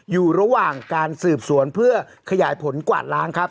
อยู่ระหว่างการสืบสวนเพื่อขยายผลกวาดล้างครับ